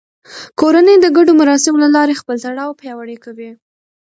کورنۍ د ګډو مراسمو له لارې خپل تړاو پیاوړی کوي